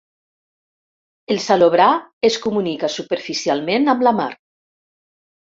El salobrar es comunica superficialment amb la mar.